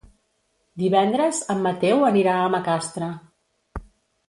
Divendres en Mateu anirà a Macastre.